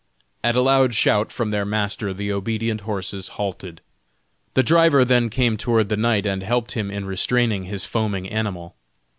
At a loud shout from their master, the obedient horses halted. The driver then came toward the knight, and helped him in restraining his foaming animal.